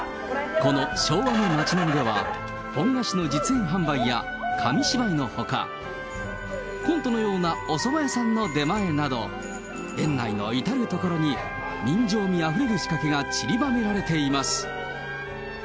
この昭和の街並みでは、ポン菓子の実演販売や紙芝居のほか、コントのようなおそば屋さんの出前など、園内の至る所に人情味あふれる仕掛けがちりばめられています。